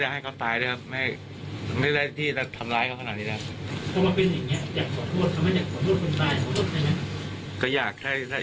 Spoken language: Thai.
ไม่ได้ให้เขาตายนะครับไม่ได้ที่จะทำร้ายเขาขนาดนี้แหละ